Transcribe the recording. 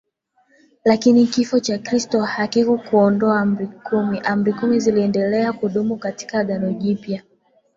Lakini Kifo cha Kristo hakikuondoa Amri kumi Amri kumi ziliendelea kudumu katika Agano jipya